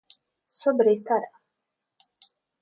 sobrestará